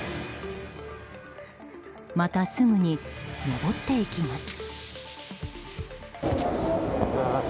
またすぐに上っていきます。